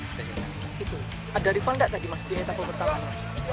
ada refund tak tadi mas di etapa pertama